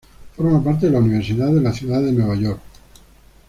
Forma parte de la Universidad de la Ciudad de Nueva York.